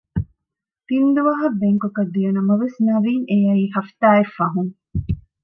ތިންދުވަހަށް ބެންކޮކަށް ދިޔަނަމަވެސް ނަވީން އެއައީ ހަފްތާއެއް ފަހުން